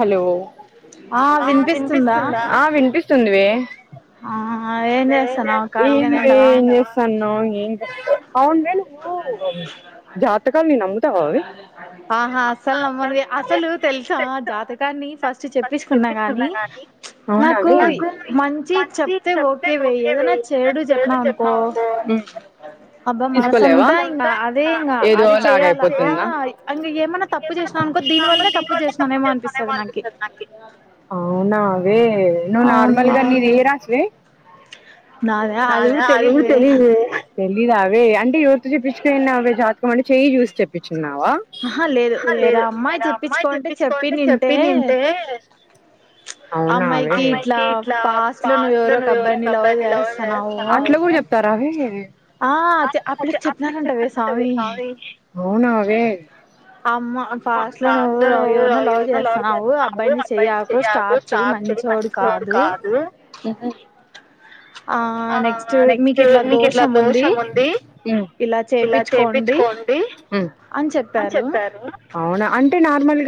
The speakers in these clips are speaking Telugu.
హలో ఆ వినిపిస్తుందివ ఆ ఏ ఏం చేస్తాను ఆహా అస్సలు నమ్మది అసలు తెలుసా జాతకాన్ని ఫస్ట్ చెప్పించకున్నా గాని ప్చ్ నాకు మంచి చెప్తే ఓ ఓకే వే ఏదన్న చేడు చెప్పినవనుకో తీసుకోలేవా ఏదో లాగయిపోతుంద అవునా అవే నువ్వు నార్మల్గా నిది ఎ రాసి నాద అది కూడా తేలేదే పెళ్లి అంటే యూత్ చుప్పించుకునాయె జాతకం అని చెయయూ చెప్పచ్చు తిన్నావా అవునా వే అట్లా కూడా చెప్తారా వే అవునా వే అమ్మ ఫాస్ట్ లో నువ్వు ఎవరినో లవ్ చేస్తున్నావు అబ్బాయిని చెయకు స్టాప్ చెయి మంచోడు కాదు ఉహ్ ఆ నెక్స్ట్ మీకు ఇట్లా దోషం ఉంది, ఇలా చేపిచ్చుకోండి అని చెప్పారు.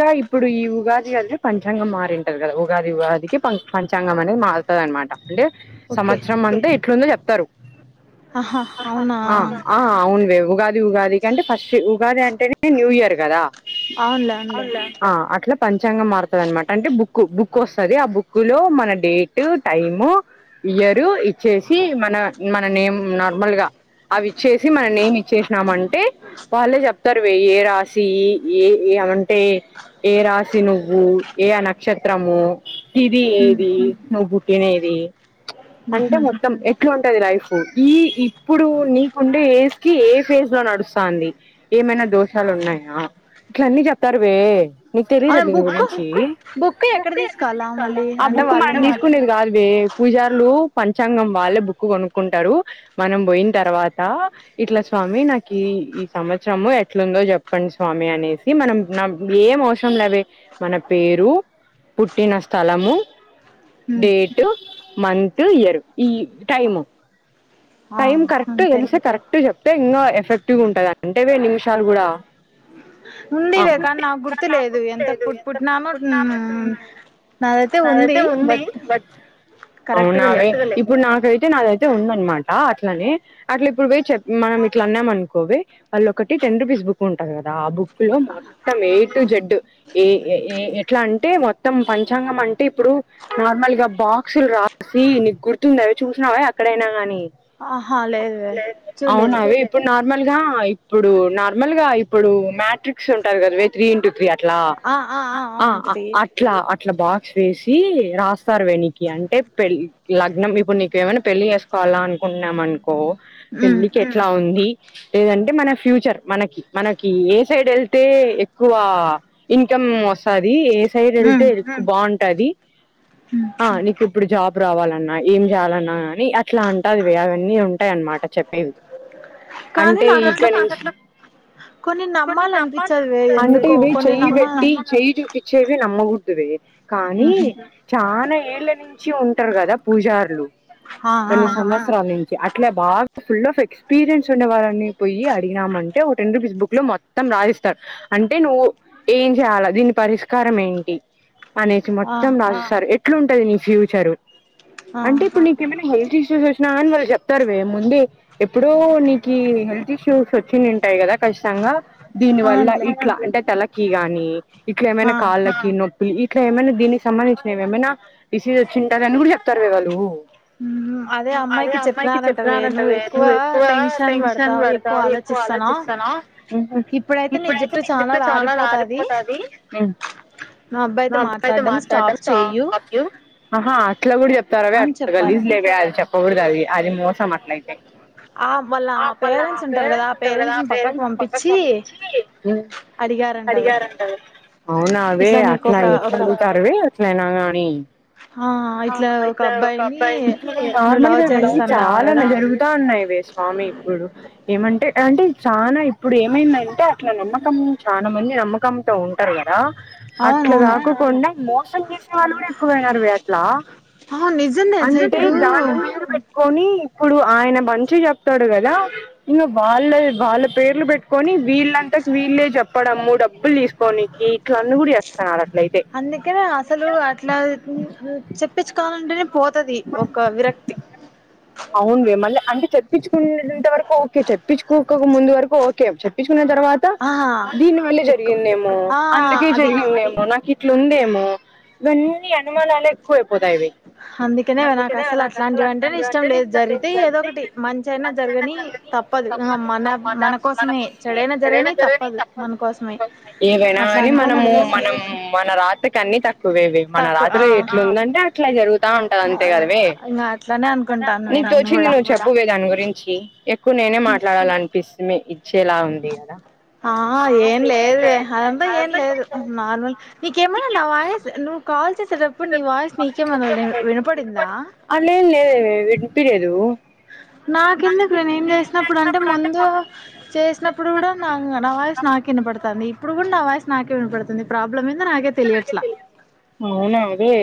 గా ఇప్పుడు ఈ ఉగాది అదే పంచాంగం మారింటాది కదా ఉగాది ఉగాదికి పం పంచాంగం అనేది మారుతది అనమాట అంటే సంవత్స్ రమ్మంటే ఎట్లుందో చెప్తారు ఆ అవును వే ఉగాది ఉగాది కంటే ఫస్ట్ ఉగాది అంటేనే న్యూ ఇయర్. గదా ఆ అట్లా చంగా మారుతది అన్మాట అంటే బుక్క్ బుక్కు వస్తది ఆ బుక్ కులో మన డేట్ టైము ఇయర్ ఆ నేమ్ నార్మల్ గా అవి చేసి మన నేమ్ ఇచ్చేసినాం అంటే వాళ్ళే చెప్తారు వెయ్యా రాశి ఏ ఏ అన్ టే ఏ రాశి నువ్ నువ్వు యే అ నక్షత్రము తిథి ఏది నువ్వు ఎనేేది అంటే మొత్తం ఎట్లుం టది రా ఇప్ పుడు నీకుండే కి ఏ ఫేజ్ లో నడుస్తాంది ఏమైనా దోషాలు ఉన్నాయా ఇట్ల అన్నీ చెతారువ నీకు తెలియదు దీని గురించి ఆ బుక్ మనం తీసుకునేది కాదు వే పూజారులు చాంగం వాళ్ళే బుక్కు కొనుక్కుంటారు, మనం పోయిన తర్వాత ఇట్లా స్వామి నాకి ఈ సంవత్సరంలో ఎట్లుందో చెప్పండి స్వామి అనేసి, మనం నా ఏం అవసరం లేవే మన పేరు పుట్టిన స్థలము. డేటు మం త్ ఇయరు ఈ టైము టైం కరెక్ట్ తెలుసే కరెక్ట్ చెప్తే ఇంగా ఎఫెక్టివ్ గుంటది అంటే వే నిమిషాలు కూడా ఉందివే కాని నాకు గుర్తు లేదు, ఎంతకు పుట్ పుట్టినానో మ్మ్ నాదైతే ఉంది బట్ కరెక్ట్, నావ్ ఇప్పుడు నా నాకైతే నాదైతే ఉంద అనమాట అట్లనే అట్లా ఇప్పుడు పో మనం ఇట్లా అన్నామ అనుకో వాళ్ళ ఒకటి టెన్ రూపీస్ బుక్ ఉంటంది కదా ఆ బుక్ లో మొత్తం ఏ టు జడ్డు ఏ ఏ అట్లా అంటే మొత్తం పంచాంగం అంటే ఇప్పుడు నార్మల్ గా బాక్సులు రా అసి నీకు గుర్తుంద అవ చూసినావ అక్కడైనా గానీ ఆహా లేదు వె చూడలేదు నార్మల్ గా ఇప్పుడు నార్మల్ గా ఇప్పుడు మ్యాట్రిక్స్ ఉంటారు కదా వే త్రీ ఇంటూ త్రీ అ అట్లా ఆ ఆ అట్లా బా వేసి రాస్తారు వెకి అంటే పెళ్ లగ్నం ఇప్పుడు నీకు ఏమైనా పెళ్లి చేసుకోవాలా అనుకుంటున్నాం అనుకో కో పెళ్ళికి ఎట్లా ఉంది లేదంటే మన ఫ్యూచర్ మనకి మనకి ఏ సైడ్ వెళ్తే ఎక్కువ ఇన్కమ్ వస్తుంది ఏ సైడ్ వెళ్తే బాగుంటాది ఆ నికు జాబ్ రావాలన్నా ఏం చేయాలన్నా గానీ అట్లా అంట అది వేవన్నీ ఉంట అనమాట చెప్పేది అంటే ఇ అంటే ఇవి చెయి పెట్టి చెయి చెవి నమ్గుడాధు వె కానీ చా ఏళ్ళే ని వచ్చి ఉంటారు కదా పూజారులు కొన్ని సంవత్సరలు నుం అట్లా బాగా ఫుల్ ఆఫ్ ఎక్స్పీరియన్స్ ఉండే వాళ్ళని పోయి అడిగినమ అంటే ఓ టెన్ రూపీస్ బుక్ లో మొత్తం రాధస్తాడు అంటే నువ్వు ఏం చేయాల దీని పరిష్కారం ఏంటి అనేసి మొత్తం రాస్తారు ఎట్లా ఉంటంది నీ ఫ్యూర్ చెరు ఆంటే ఇపుడు హెల్ప్ చేసిన ఇషూస్ వచ్చినా కాని వాళ్ళు చెప్తారు వే ముందే ఎప్పుడో నీకు హెల్త్ ఇష్యూస్ వచ్చి ఉంటాయి కదా ఖచ్చితంగా దీని వల్ల ఇట్లా అంటే తెల కి గానీ ఇట్ల ఏమైనా కాళ్ళకి నొప్పి ఇట్ల ఏమైనా దీనికి సంబంధించి ఎమయానా ఇ వ వచింతధిని కూడా చెప్తారు వే వాల్ వాలు అదే అమ్మాయికి చెపినరువాంటవే నువ్వు ఎక్కువ టెన్షన్ పడతావు ఎక్కువ ఆలోచిస్తానా ఇప్పుడైతే నీ చెప్తే చాలా రారిపోతది నా అబ్బాయి అయితే మాట్లాడటా ఆహా అట్లా కూడా చెప్తారావే అది గలీజ్ లేవే అది చెప్ గూడదు అది అది మోసం అట్లాయితే ఆ వాళ్ళ పేరెంట్స్ ఉంటారు కదా వాళ్ళ పేరెంట్స్ పక్కకు పంపించి అడిగారంట అవునావే అట్లా ఎట్లా అడుగుతారావే ఏట్లయినగాని అబ్బాయి నర్మాల్గా మనం చాలా ఇలా జరుగుతంగద వే స్వామి ఇప్పుడు ఏమంటే అంటే చాన ఇప్పుడు ఏమైందంటే అట్ల నమ్మకం చానా మంది నమ్మకంతో ఉంటారు కదా అట్లా కాకుండా మోసం చేసే వాళ్ళు కూడా ఎక్కువయినారు వే లా అందుకే జాబు మీద పెట్ కొని ఇప్పుడు ఆయన మంచి చెప్తాడు కదా ఇంకా వాళ్ళ వాళ్ళ పేర్లు పెట్టుకొని వీళ్ళంతా వీళ్ళే చెప్పడంము డబ్బులు తీస్ కొనికి ఇట్లన్నీ కూడా చేస్తునడు అట్లయితే చెప్పించుకోవాలంటేనే పోతది ఒక విరక్తి అంటే చెప్పించుకునేంత వరకు ఓకే చెప్పించుకోక ముందు వరకు ఓకే చె ప్పించుకున్న తర్వాత దీని వల్లే జరిగిందేమో అందుకే జరిగిందేమో నాకిట్ ఇట్లుందేమో ఇవన్నీ అనుమానాలే కు పోతాయి ఇవి [unintelligible] ఏవైనా గాని మనము మనం మన రాతకి అన్ని తక్కువేవి మన రాతలు టే అట్లా జరుగుతా ఉంటది అంతే కదవే నీకు తోచింది నువ్వు చెప్పువే దాని గురిం ఎ పుడు నేనే మాట్లాడాలనిపిస్ ఇచ్చేలా ఉంది కదా ఆ ఏం లేదే అదంతా ఏం లేదు నార్మల్ నీకేమన్న నా వాయిస్ నువ్వు కాల్ చేసి ఆ లేదు లేదే వినిపియదు నాకు ఎందుకే నేను చేసినప్పుడు అంటే ముందు చేసినప్పుడు కూడా నా నా వాయస్ నాకు వినపడుతుంది ంది ఇప్పుడు కూడా నా వాయిస్ నాకే వినపడుతుంది ప్ర అవును అదే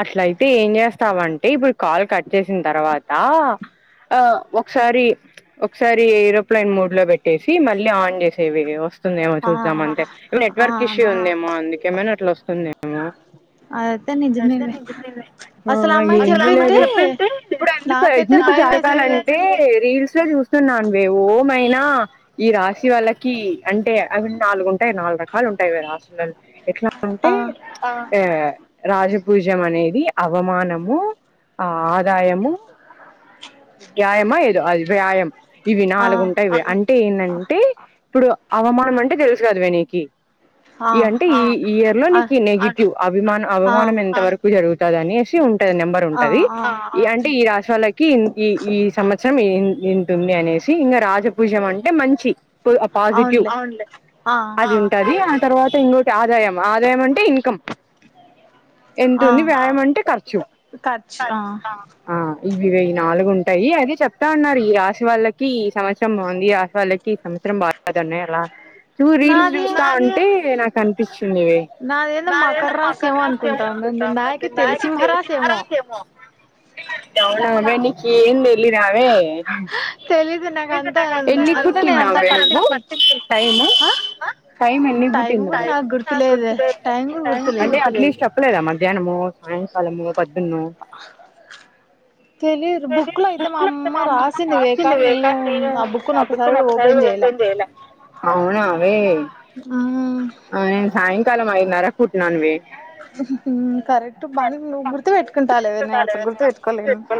అట్లయితే ఏం చేస్తావంటే ఇప్పుడు కాల్ కట్ చేసిన తర్వాత ఆ ఒకసారి ఒకసారి ఏరోప్లెన్ మోడ్ లో పెట్టేసి మళ్ళీ ఆన్ చేసేవై ఇగా వస్త్ వస్తుందేమో చూద్దామంటే నెట్వర్క్ ఇష్యూ ఉందేమో అందుకేమైనా అట్లా వస్తుందేమో అదయితే నిజమేవే ఆ అసలు ఆ అమ్మాయి చెప్పింటే ఇప్పుడు ఇప్పుడు ఎందుకు జరగాలంటే రీల్స్ లో చూస్తున్నానువే ఓమైనా ఈ రాశి వాళ్ళకి అంటే అవి నాలుగుంట టాయి నాలుగు రకాలు ఉంటాయి వే రాశులు అంటే ఆ ఏ రా రాజపూజం అనేది అవమానము ఆ ఆదాయము [unintelligible] దో అది వ్యాయం ఇవి నాలుగుంటాయి ఇవి అంటే ఏందంటే ఇప్పుడు అవమానం అంటే తెలుసు కదవే నీకి ఆ అంటే ఈ ఇయర్ లో నీకు ఈ నెగిటివ్ అభిమాన అవమానం ఎంత వరకు జరుగుతది అనేసి ఉంటది నెంబర్ ఉంటది అంటే ఈ రాశి వాళ్ళకి ఈ ఈ సంవత్సరం టుంది అనేసి ఇంకా రాజపూజం అంటే మంచి పాజిటివ్ అది ఉంటది తర్వాత ఇ ఆదాయం ఆదాయం అంటే ఇన్కమ్ ఎంతుంది వ్యాయం అంటే ఖర్చు ఆ ఇవి వే నాలుగు ఉంటాయి అదే చెప్తా అన్నారు ఈ రాశి వాళ్ళకి సంవత్సరం బాగుంది రాశి వాళ్ళకి ఈ సంవత్సరం బాన్నాయి అలా చూ రీల్స్ చూస్తా ఉంటే నాకు కనిపించిందివే నీకి ఏం తెలీదావే ఎన్ని కుట్టినావు వే నువ్వు టై టై ఎన్ని కుట్టింది అంటే అట్లీస్ట్ చెప్పలేదమ్ మధ్యాహ్నము సాయంకాలము తెలిదు బుక్ లో అయితే మా అమ్మ రాసింది వే కానీ నే అవునా వే ఇంక సాయంకాలం అయిన్నార కుట్నాను వే మ్మ్ కరెక్ట్ బాని నువ గుర్తు బెట్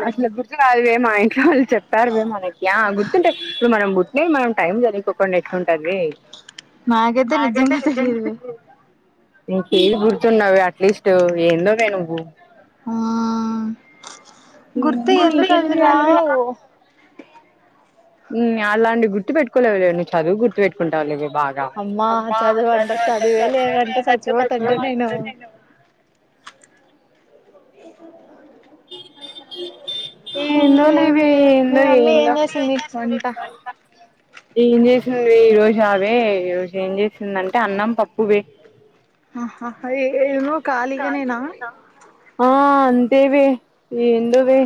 అట్లా గుర్తు కాదు మా ఇంలో వాళ్ళు చెప్పారు మనకి గుర్తుంటే ఇప్పుడు మనం గుర్ట్ మనం టైమ్ జరిగ కుండా ఎట్లా ఉంటది నాకైతే నిజంగా ఇంకేది గుర్తున్నావు అట్లీస్ట్ ఏందోవే నువ్వు ఉ అ గుర్తు ఎందుకు అది రాదు మ్మ్ అలాంటి గుర్తు పెట్టుకోలే వే చదువు గుర్తు పెట్టుకుంటావు లే వే బాగా ఇ ఏందోలే వే ఏందో ఏందో ఏం చేసి మ్మ్ ఈ రోజవే ఈ రోజు ఏం చేసిందంటే అన్నం పప్పువే ఆహా ఏ ఏన్నో కాలీగనేనా ఏందో వే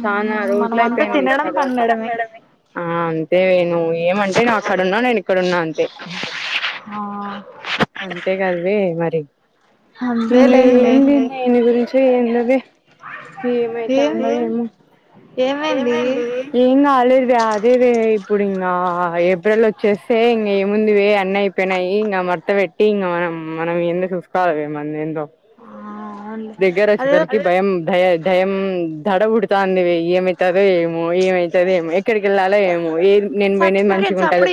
చానా రోజలైపోయిందు చదవక ఆ అంతేే వే నువ్వు ఏమంటే నువ అక్కడున్నావు నేను ఇక్కడున్నా అంతే అంతే కదవే మరి ఇ ఏంది నీ గురించి ఏందో వే ఏమైతాందొ ఏమో ఏం కాలేదు వే అదే వే ఇప్పుడు ఇంకా ఏప్రిల్ వచ్చేస్తే ఇంక ఏముంది వే అన్నయిపెయినయి ఇంకా మడత పెట్టి ఇంక మనం మనం ఏందో చూసుకోవాలే మంది ఏందో దగ్గర వచ్చేటోళ్ళకి భయం దయం దడబుడుతుంది ఏమైతదో ఏమో ఏమైతదో ఏమో ఎక్కడికి వెళ్ళాలో ఏమో ఏం నేను పోయినది మంచిగా ఉంటది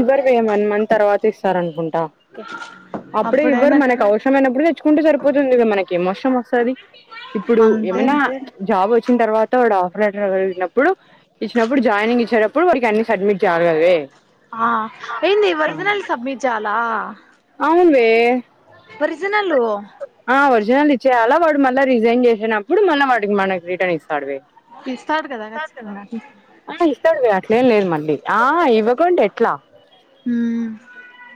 ఇవ్వరు పోయా వన్ మంత్ తర్వాత్ ఇస్తారనుకున్ ట అప్పుడే ఇవ్వరు మనకి అవసరమయినప్పుడు తెచ్ చ్చుకుంటే సరిపోతుందిగా మనకి మోషం వస్తుంది ఇప్పుడు ఏమైనా జాబ్ వచ్ ఇచ్చిన తర్వాత వాడు ఆఫర్ లెటర్ కలిగినప్పుడు ఇచ్చినప్పుడు జాయినింగ్ ఇచ్చేటప్పుడు వారికి అన్ని సడ్మిట్ చేయాలి కదవే ఏంది ఒరిజినల్ సబ్మిట్ చేయాలా అవున్ వె పరిజన్ ఇన్నాళ్లు చాలా వాడు మళ్ళా రిజైన్ చేసినప్పుడు మళ్ళా వాడికి మనకి రిటర్న్ ఇస్తాడు రే వాయిస్ ఇస్తాడు కదా ఆ ఇస్తాడు గా అట్లేం లేదు మళ్ళీ ఆ ఇవక్ కొండి ఎట్లా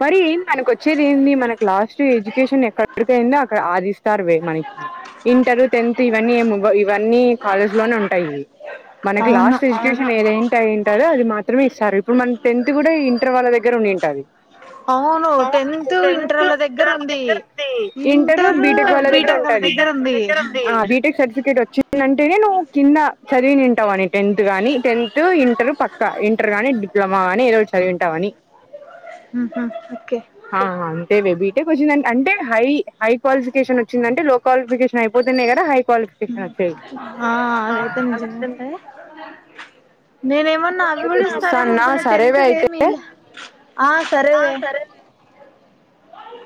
పరి ఏం మనకు వచ్చేది ఏంది మనకు లాస్ట్ ఎడ్యుకేషన్ ఎక్కడికయిందో అక్కడ ఆదిస్తారు వె మనకి ఇంటర్ టెన్త్ ఇవన్నీ ఎం అవ్వవు ఇవన్నీ కాలేజ్ లోనే ఉంటాయి మనకి లాస్ట్ ఎడ్యుకేషన్ ఏదేంటి అయింటారో అది మా మాత్రమే ఇస్తారు ఇప్పుడు మన టెన్త్ గుడా ఇంటర్ వాళ్ళ దగ్గర ఉండడి టది అవును టెన్త్ ఇంటర్ ఓల దగ్గర ఉంది ఇంటర్ బీటెక్ వాళ్ళ దగ్గర ఉంది బీటెక్ సర్ఫికేట్ వచ్చిదన్ టేను కింద చదివి నింటావ అని టెన్త్ గాని టెన్త్ ఇంటర్ పక్క ఇంటర్ గానీ డిప్లొమా గాని చవిది వింటావని ఆ అంటే విబి ఏ క్వశ్చన్ ఆన్ అంటే హై హై క్వాలిఫికేషన్ వచ్చిందంటే లో క్వాలిఫికేషన్ అయిపోతనే గదా హై ఆ అదైతే నిజమ్ అయితే నేను ఏమన్నా అవి గూడ ఇస్తారెమో అనుకున్న టెన్త్ వే మీల్ ఆ సరేవే ఓయ్